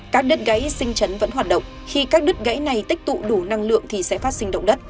các đứt gáy sinh chấn vẫn hoạt động khi các đứt gáy này tích tụ đủ năng lượng thì sẽ phát sinh động đất